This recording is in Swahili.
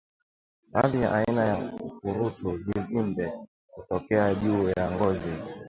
Baadhi ya aina ya ukurutu vivimbe hutokea juu ya ngozi